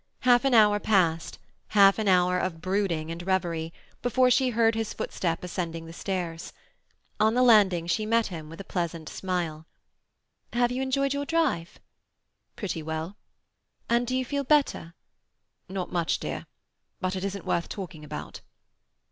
Half an hour passed—half an hour of brooding and reverie—before she heard his footstep ascending the stairs. On the landing she met him with a pleasant smile. "Have you enjoyed your drive?" "Pretty well." "And do you feel better?" "Not much, dear. But it isn't worth talking about."